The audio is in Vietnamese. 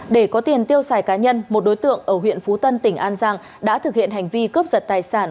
để có tiền tiêu xài cá nhân một đối tượng ở huyện phú tân tỉnh an giang đã thực hiện hành vi cướp giật tài sản